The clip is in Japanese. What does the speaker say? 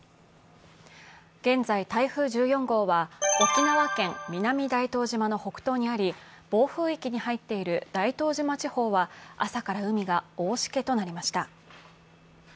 現在、台風１４号は沖縄県南大東島の北東にあり、暴風域に入っている大東島地方は朝から海が大しけとなりました。